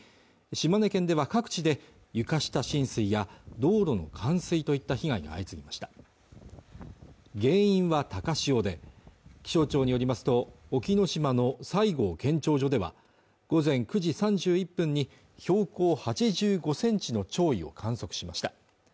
島根県では各地で床下浸水や道路の冠水といった被害が相次ぎました原因は高潮で気象庁によりますと隠岐の島の西郷検潮所では午前９時３１分に標高８５センチの潮位を観測しました